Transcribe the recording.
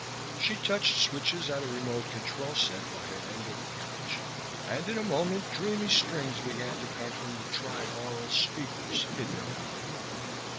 She touched switches at a remote control set by her end of the couch, and in a moment dreamy strings began to come from tri aural speakers hidden around the room.